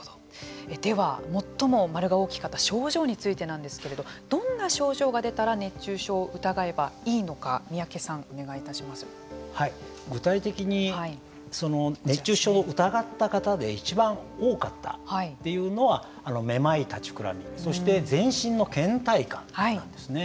では最も丸が大きかった症状についてなんですけれどどんな症状が出たら熱中症を疑えばいいのか具体的に熱中症を疑った方でいちばん多かったというのはめまい、立ちくらみそして全身のけん怠感なんですね。